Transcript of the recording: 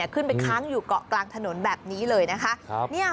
ค้างอยู่เกาะกลางถนนแบบนี้เลยนะคะ